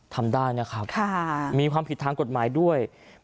ทำได้นะครับมีความผิดทางกฎหมายด้วย